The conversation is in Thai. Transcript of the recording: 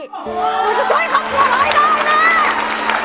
หนูช่วยคำขอร้อยได้นะ